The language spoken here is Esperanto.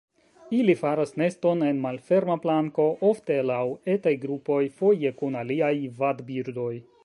Ili faras neston en malferma planko, ofte laŭ etaj grupoj, foje kun aliaj vadbirdoj.